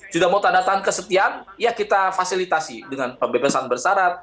sudah mau tanda tangan kesetiaan ya kita fasilitasi dengan pembebasan bersarat